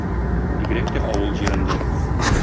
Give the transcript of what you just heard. Бигрәк тә авыл җирендә.